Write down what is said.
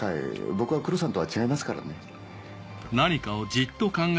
僕は黒さんとは違いますからね。